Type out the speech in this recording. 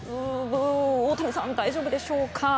大谷さん大丈夫でしょうか。